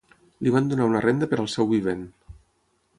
Li van donar una renda per al seu vivent.